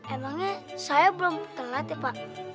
emangnya saya belum telat ya pak